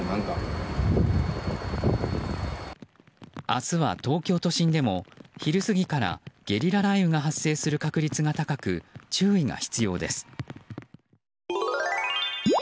明日は東京都心でも昼過ぎからゲリラ雷雨が発生する確率が高く注意が必要です。